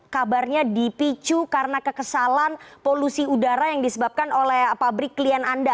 kabarnya dipicu karena kekesalan polusi udara yang disebabkan oleh pabrik klien anda